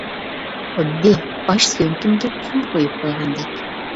خۇددى باش سۆڭىكىمگە قۇم قۇيۇپ قويغاندەك.